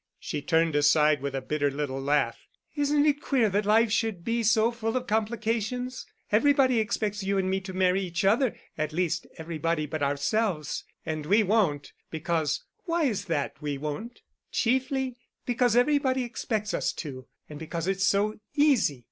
She turned aside with a bitter little laugh. "Isn't it queer that life should be so full of complications? Everybody expects you and me to marry each other—at least, everybody but ourselves, and we won't because—why is it that we won't? Chiefly because everybody expects us to—and because it's so easy.